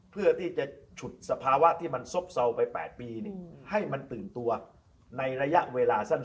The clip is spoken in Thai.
เพื่อที่จะฉุดสภาวะที่มันซบเซาไป๘ปีให้มันตื่นตัวในระยะเวลาสั้น